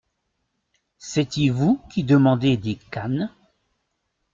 C’est-y vous qui demandez des canes ?